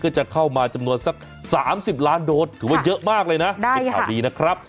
จะเข้ามาจำนวนสัก๓๐ล้านโดสถือว่าเยอะมากเลยนะเป็นข่าวดีนะครับ